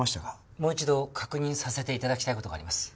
もう一度確認させて頂きたい事があります。